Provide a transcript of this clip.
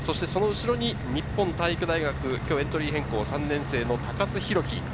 その後ろに日本体育大学、今日エントリー変更、３年生・高津浩揮。